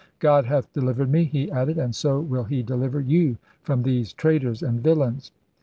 * God hath delivered me,' he added, *and so will He deliver you from these traitors and villains.